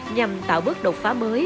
nhằm tạo bước đột phá mới